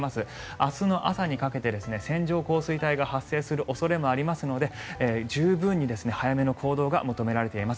明日の朝にかけて線状降水帯が発生する恐れもありますので十分に早めの行動が求められています。